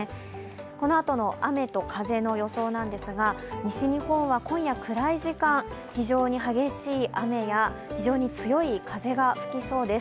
このあとの雨と風の予想ですが、西日本は今夜、暗い時間、非常に激しい雨や非常に強い風が吹きそうです。